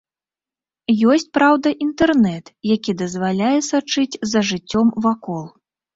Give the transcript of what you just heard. Ёсць, праўда, інтэрнэт, які дазваляе сачыць за жыццём вакол.